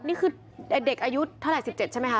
นี่คือเด็กอายุเท่าไหร่๑๗ใช่ไหมค